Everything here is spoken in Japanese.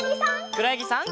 くろやぎさん。